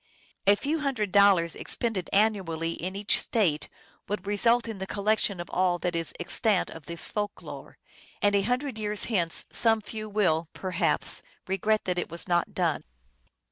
A few hundred dol lars expended annually in each State would result in the collec tion of all that is extant of this folk lore ; and a hundred years hence some few will, perhaps, regret that it was not done.